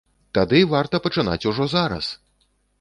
Тады варта пачынаць ужо зараз!